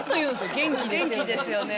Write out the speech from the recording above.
元気ですよね。